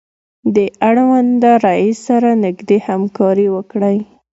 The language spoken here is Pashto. له اړونده رئیس سره نږدې همکاري وکړئ.